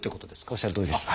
おっしゃるとおりです。